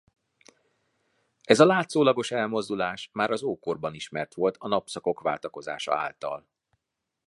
Ez a látszólagos elmozdulás már az ókorban ismert volt a napszakok váltakozása által.